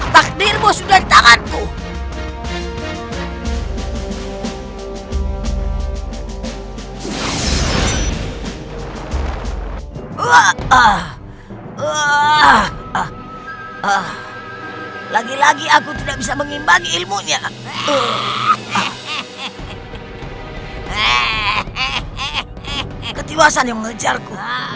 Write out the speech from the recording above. takdirmu sudah di tanganku